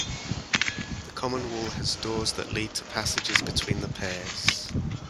The common wall has doors that lead to passages between the pairs.